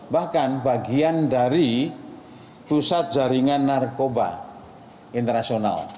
bahkan bagian dari pusat jaringan narkoba internasional